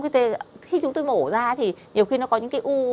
khi chúng tôi mổ ra thì nhiều khi nó có những cái u